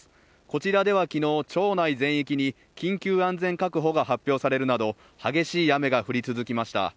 こちらでは昨日、町内全域に緊急安全確保が発表されるなど激しい雨が降り続きました。